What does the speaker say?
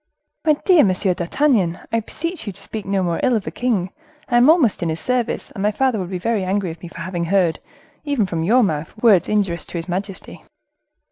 "My dear Monsieur d'Artagnan, I beseech you speak no more ill of the king. I am almost in his service, and my father would be very angry with me for having heard, even from your mouth, words injurious to his majesty."